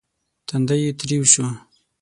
تندی يې تريو شو.